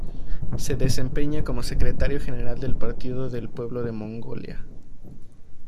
Se desempeña como Secretario General del Partido del Pueblo de Mongolia.